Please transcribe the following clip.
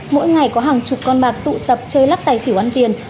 mỗi ngày có hàng chục con bạc tụ tập chơi lắc tài xỉu ăn tiền